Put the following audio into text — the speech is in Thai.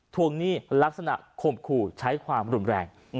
ทวงหนี้ลักษณะข่มขู่ใช้ความรุนแรง